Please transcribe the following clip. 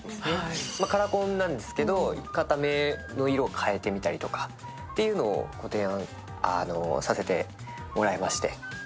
カラコンなんですけど片目の色を変えてみたりとかを提案させてもらいまして。